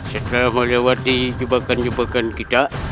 sampai jumpa lagi